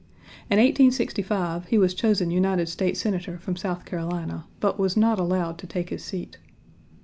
In 1865 he was chosen United States Senator from South Carolina, but was not allowed to take his seat.